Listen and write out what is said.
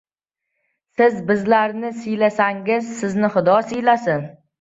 — Siz bizlarni siylasangiz, sizni Xudo siylasin.